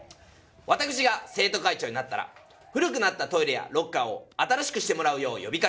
わたくしが生徒会長になったら古くなったトイレやロッカーを新しくしてもらうよう呼びかけ